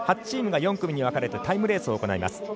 ８チームが４組に分かれてタイムレースを行います。